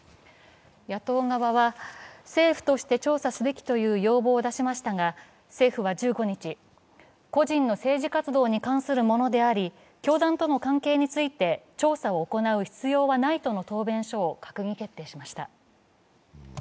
野党側は政府として調査すべきという要望を出しましたが政府は１５日、個人の政治活動に関するものであり教団との関係について調査を行う必要はないとの答弁書を閣議決定しました。